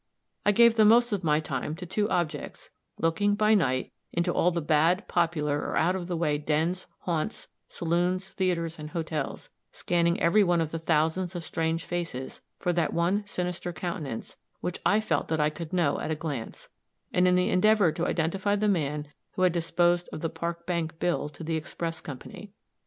I gave the most of my time to two objects looking, by night, into all the bad, popular, or out of the way dens, haunts, saloons, theaters and hotels, scanning every one of the thousands of strange faces, for that one sinister countenance, which I felt that I could know at a glance and in the endeavor to identify the man who had disposed of the Park Bank bill to the Express Company.